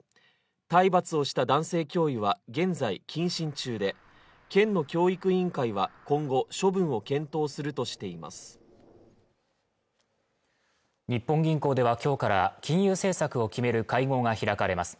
体罰をした男性教諭は現在謹慎中で県の教育委員会は今後処分を検討するとしています日本銀行ではきょうから金融政策を決める会合が開かれます